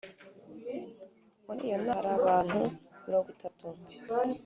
muri iyo nama hari abantu mirongo itatu